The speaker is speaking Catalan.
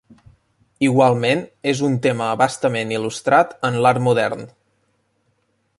Igualment és un tema a bastament il·lustrat en l'art modern.